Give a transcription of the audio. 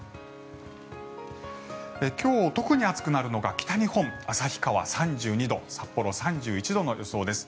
今日、特に暑くなるのが北日本、旭川３２度札幌、３１度の予想です。